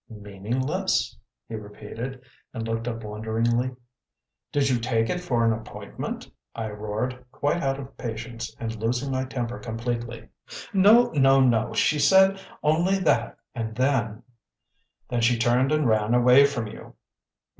"Meaningless?" he repeated, and looked up wonderingly. "Did you take it for an appointment?" I roared, quite out of patience, and losing my temper completely. "No, no, no! She said only that, and then " "Then she turned and ran away from you!"